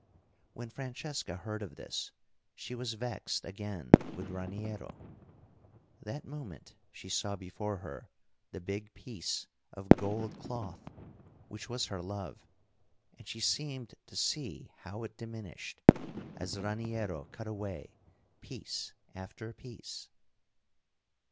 When Francesca heard of this she was vexed again with Raniero. That moment she saw before her the big piece of gold cloth—which was her love—and she seemed to see how it diminished, as Raniero cut away piece after piece.